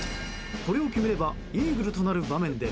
これを決めればイーグルとなる場面で